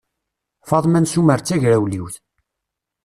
Faḍma n Sumer d tagrawliwt.